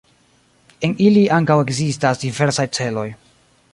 En ili ankaŭ ekzistas diversaj celoj.